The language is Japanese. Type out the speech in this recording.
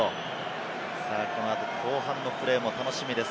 このあと後半のプレーも楽しみです。